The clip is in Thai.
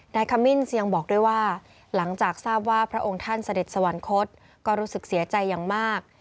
ขมิ้นเสียงบอกด้วยว่าหลังจากทราบว่าพระองค์ท่านเสด็จสวรรคตก็รู้สึกเสียใจอย่างมาก